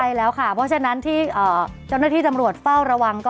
ใช่แล้วค่ะเพราะฉะนั้นที่เจ้าหน้าที่จำรวจเฝ้าระวังก็